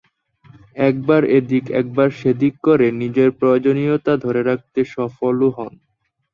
একবার এদিক, একবার সেদিক করে নিজের প্রয়োজনীয়তা ধরে রাখতে সফলও হন।